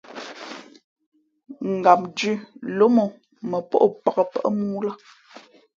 Gam dhʉ̄ lóm ǒ mα pᾱʼ o pāk pάʼ mōō lά.